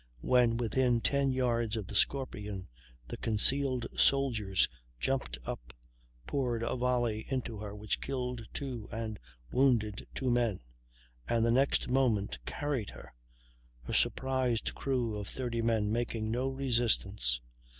When within 10 yards of the Scorpion, the concealed soldiers jumped up, poured a volley into her which killed 2 and wounded 2 men, and the next moment carried her, her surprised crew of 30 men making no resistance.